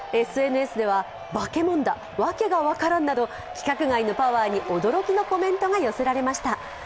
ＳＮＳではバケモンだ、訳が分からんなど規格外のパワーに驚きのコメントが寄せられました。